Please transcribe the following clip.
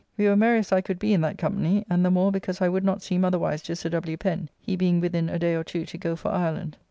We were merry as I could be in that company, and the more because I would not seem otherwise to Sir W. Pen, he being within a day or two to go for Ireland.